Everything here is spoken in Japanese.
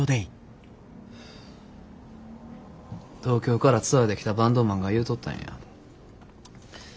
東京からツアーで来たバンドマンが言うとったんや。